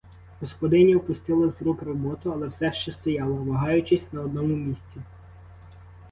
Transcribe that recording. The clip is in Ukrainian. Господиня впустила з рук роботу, але все ще стояла, вагаючись, на одному місці.